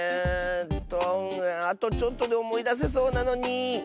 あとちょっとでおもいだせそうなのに！